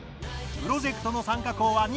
プロジェクトの参加校は２校。